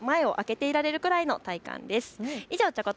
トレンチコート、前を開けていられるくらいの体感です。